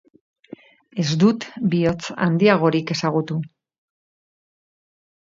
Ez dut bihotz handiagorik ezagutu.